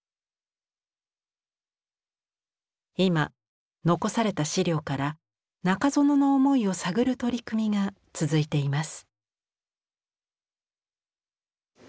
今遺された資料から中園の思いを探る取り組みが続いています。